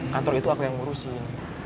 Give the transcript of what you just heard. kantor itu aku yang ngurusin